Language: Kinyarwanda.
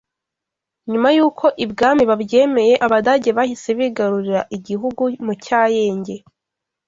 Nyuma y’uko ibwami babyemeye Abadage bahise bigarurira igihugu mu cyayenge